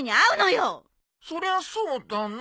そりゃそうだな。